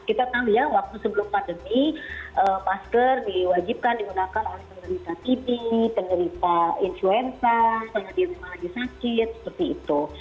kita tahu ya waktu sebelum pandemi masker diwajibkan digunakan oleh penyelidikan tipi penyelidikan influenza penyelidikan yang sakit seperti itu